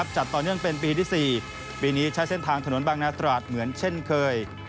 จัดต่อเนื่องเป็นปีที่๔ปีนี้ใช้เส้นทางถนนบางนาตราดเหมือนเช่นเคย